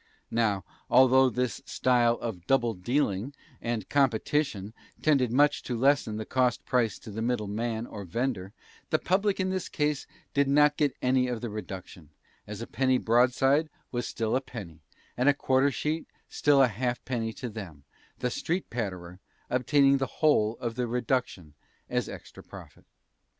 Now, although this style of "Double dealing" and competition tended much to lessen the cost price to the "middle man," or vendor, the public in this case did not get any of the reduction, as a penny broadside was still a penny, and a quarter sheet still a halfpenny to them, the "street patterer" obtaining the whole of the reduction as extra profit.